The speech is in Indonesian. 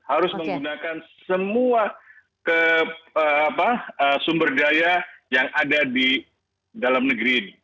harus menggunakan semua sumber daya yang ada di dalam negeri ini